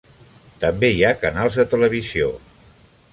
També hi ha canals de televisió.